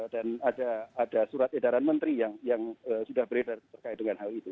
dan ada surat edaran menteri yang sudah beredar terkait dengan hal itu